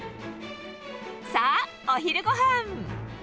さあ、お昼ごはん。